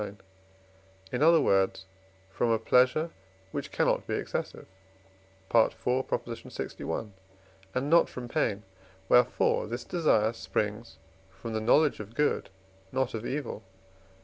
lix.), in other words, from a pleasure which cannot be excessive (IV. lxi.), and not from pain; wherefore this desire springs from the knowledge of good, not of evil (IV.